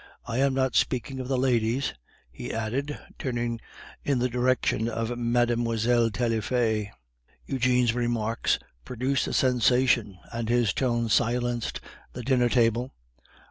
I am not speaking of the ladies," he added, turning in the direction of Mlle. Taillefer. Eugene's remarks produced a sensation, and his tone silenced the dinner table.